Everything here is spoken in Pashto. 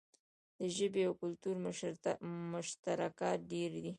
د ژبې او کلتور مشترکات ډیر دي.